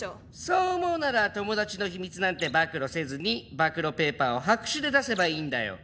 そう思うなら友達の秘密なんて暴露せずに暴露ペーパーを白紙で出せばいいんだよ。